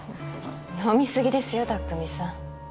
飲み過ぎですよ拓未さん。